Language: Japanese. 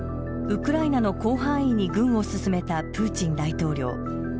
ウクライナの広範囲に軍を進めたプーチン大統領。